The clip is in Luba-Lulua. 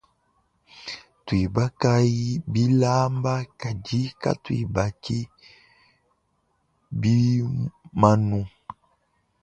Tuibakayi bilaamba kadi katuibaki bimanu.